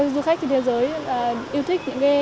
và yêu thích những cái nét đẹp này